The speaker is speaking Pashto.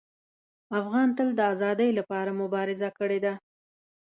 افغان تل د ازادۍ لپاره مبارزه کړې ده.